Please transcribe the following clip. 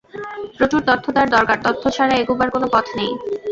প্রচুর তথ্য তাঁর দরকার তথ্য ছাড়া এগুবার কোনো পথ নেই।